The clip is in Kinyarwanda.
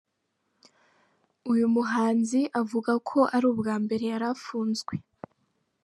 Uyu muhanzi avuga ko ari ubwa mbere yari afunzwe.